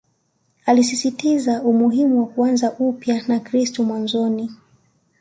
Alisisitiza umuhimu wa kuanza upya na kristo mwanzoni